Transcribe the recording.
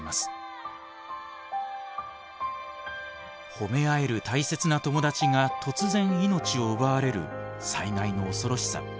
ほめ合える大切な友達が突然命を奪われる災害の恐ろしさ。